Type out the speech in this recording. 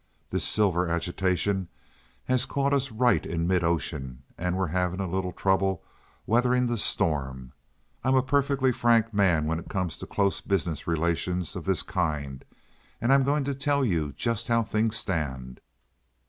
This silver agitation has caught us right in mid ocean, and we're having a little trouble weathering the storm. I'm a perfectly frank man when it comes to close business relations of this kind, and I'm going to tell you just how things stand.